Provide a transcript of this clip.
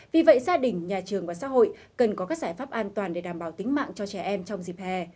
vì vậy gia đình nhà trường và xã hội cần có các giải pháp an toàn để đảm bảo tính mạng cho trẻ em trong dịp hè